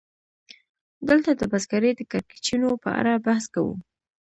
دلته د بزګرۍ د کړکېچونو په اړه بحث کوو